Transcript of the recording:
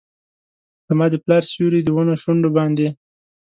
زما د پلار سیوري ، د ونو شونډو باندې